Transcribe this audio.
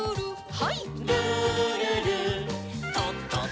はい。